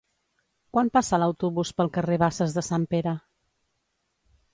Quan passa l'autobús pel carrer Basses de Sant Pere?